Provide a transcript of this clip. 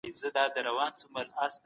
آیا تاسو د ټولنې پرمختګ لپاره نوښت لرئ؟